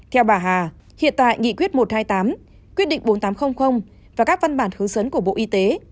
theo bà hà hiện tại nghị quyết một trăm hai mươi tám quyết định bốn nghìn tám trăm linh và các văn bản hướng dẫn của bộ y tế